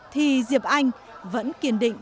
thì diệp anh vẫn kiên định